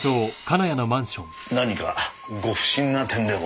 何かご不審な点でも？